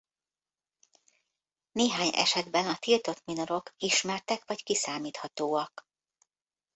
Néhány esetben a tiltott minorok ismertek vagy kiszámíthatóak.